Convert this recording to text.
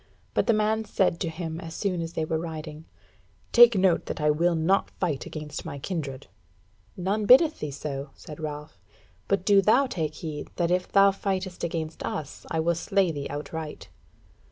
But the man said to him, as soon as they were riding: "Take note that I will not fight against my kindred." "None biddeth thee so," said Ralph; "but do thou take heed that if thou fight against us I will slay thee outright."